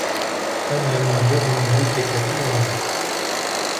أنا معجب بك كثيرًا.